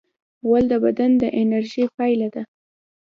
غول د بدن د انرژۍ پایله ده.